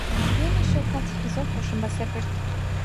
دوێنێ شەو کاتێکی زۆر خۆشم بەسەر برد.